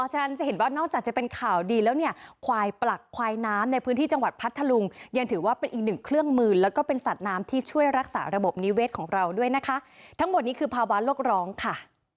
หรือว่าเป็นอีกหนึ่งเครื่องมือแล้วก็เป็นสัตว์น้ำที่ช่วยรักษาระบบนิเวศของเราด้วยนะคะทั้งหมดนี้คือภาวะโลกร้องค่ะ